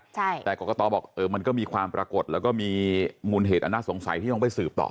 ใช่แต่กรกตบอกเออมันก็มีความปรากฏแล้วก็มีมูลเหตุอันน่าสงสัยที่ต้องไปสืบต่อ